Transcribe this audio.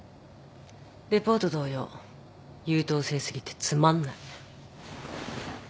レポート同様優等生過ぎてつまんない。